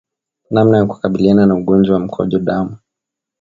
Namna ya kukabiliana na ugonjwa wa mkojo damu